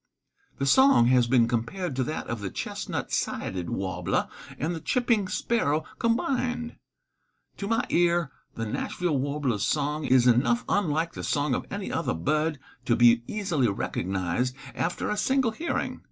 The song has been compared to that of the chestnut sided warbler and the chipping sparrow combined. To my ear the Nashville warbler's song is enough unlike the song of any other bird to be easily recognized after a single hearing.